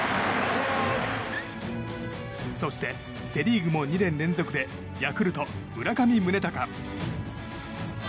そして、セ・リーグも２年連続でヤクルト村上宗隆。